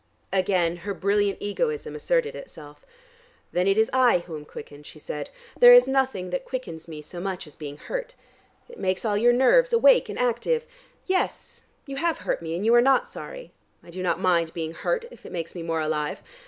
Again her brilliant egoism asserted itself. "Then it is I who am quickened," she said. "There is nothing that quickens me so much as being hurt. It makes all your nerves awake and active. Yes; you have hurt me, and you are not sorry. I do not mind being hurt, if it makes me more alive.